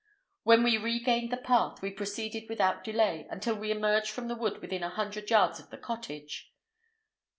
When we regained the path we proceeded without delay until we emerged from the wood within a hundred yards of the cottage.